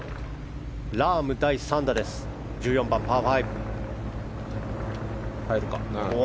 ラーム、第３打１４番、パー５。